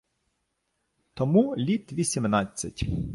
— Тому літ вісімнадцять.